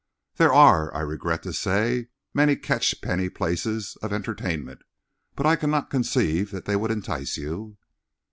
There are, I regret to say, many catchpenny places of entertainment, but I cannot conceive that they would entice you."